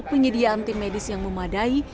penyediaan tim medis yang memadai